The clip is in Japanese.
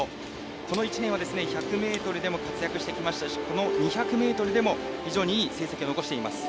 この１年は１００ｍでも活躍してきましたしこの２００ｍでも非常にいい成績を残しています。